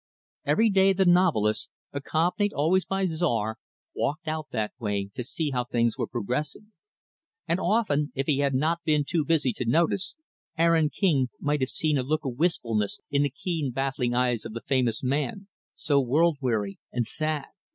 Every day, the novelist accompanied, always, by Czar walked out that way to see how things were progressing; and often, if he had not been too busy to notice, Aaron King might have seen a look of wistfulness in the keen, baffling eyes of the famous man so world weary and sad.